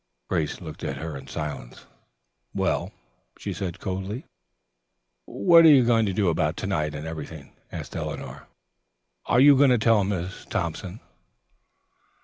Grace looked at her in silence. "Well?" she said coldly. "What are you going to do about to night and everything?" asked Eleanor. "Are you going to tell Miss Thompson?"